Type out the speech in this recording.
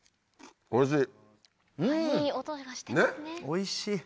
おいしい。